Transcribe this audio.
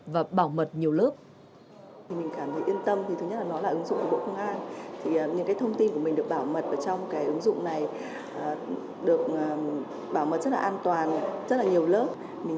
và bảo mật nhiều lớp